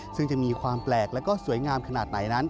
ซึ่งจะมีความแปลกและก็สวยงามขนาดไหนนั้น